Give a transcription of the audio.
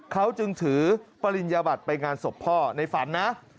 เขาจึงถือปริญญาบัตรไปงานศพพ่อในฝันนะ